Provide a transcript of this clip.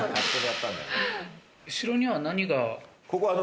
後には何が？